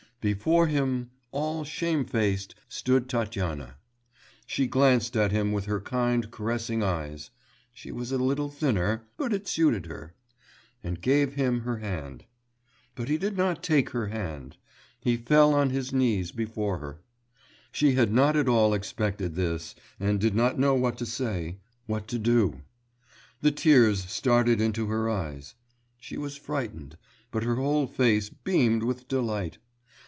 Before him, all shamefaced, stood Tatyana. She glanced at him with her kind caressing eyes (she was a little thinner, but it suited her), and gave him her hand. But he did not take her hand, he fell on his knees before her. She had not at all expected this and did not know what to say, what to do.... The tears started into her eyes. She was frightened, but her whole face beamed with delight....